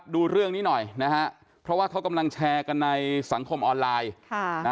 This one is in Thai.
ดูเรื่องนี้หน่อยนะฮะเพราะว่าเขากำลังแชร์กันในสังคมออนไลน์